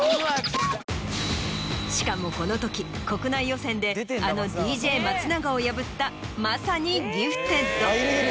しかもこの時国内予選であのＤＪ松永を破ったまさにギフテッド。